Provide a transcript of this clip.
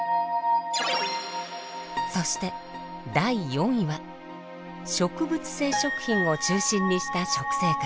そして第４位は「植物性食品を中心にした食生活」。